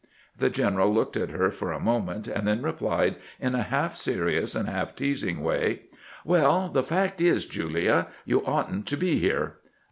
The general looked at her for a moment, and then replied in a half serious and half teasing way, " Well, the fact is, Julia, you ought n't to be here."